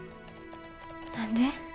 何で？